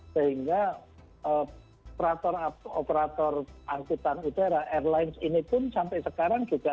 sehingga operator operator angkutan udara airlines ini pun sampai sekarang juga